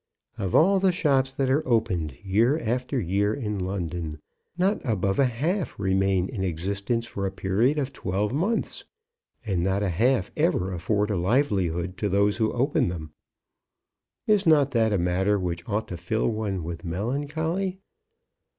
Of all the shops that are opened year after year in London, not above a half remain in existence for a period of twelve months; and not a half ever afford a livelihood to those who open them. Is not that a matter which ought to fill one with melancholy?